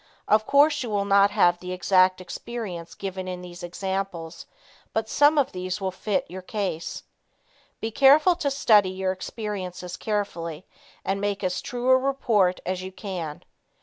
Of course you will not have the exact experiences given in these examples, but some of these will fit your case. Be careful to study your experiences carefully and make as true a report as you can.